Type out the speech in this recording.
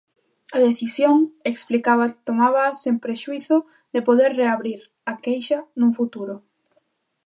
A decisión, explicaba, tomábaa "sen prexuízo de poder reabrir" a queixa "nun futuro".